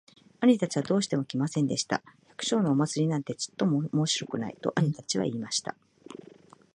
兄たちはどうしても来ませんでした。「百姓のお祭なんてちっとも面白くない。」と兄たちは言いました。